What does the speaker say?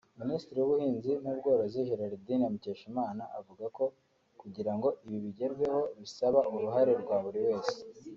Minisitiri w’ ubuhinzi n’ ubworozi Gerardine Mukeshimana avuga ko kugira ngo ibi bigerweho bisaba uruhare rwa buri wese